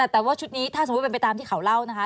แต่ว่าชุดนี้ถ้าสมมุติเป็นไปตามที่เขาเล่านะคะ